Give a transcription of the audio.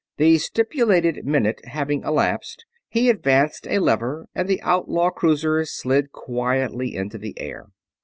The stipulated minute having elapsed, he advanced a lever and the outlaw cruiser slid quietly into the air.